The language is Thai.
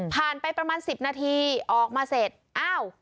ไปประมาณ๑๐นาทีออกมาเสร็จอ้าว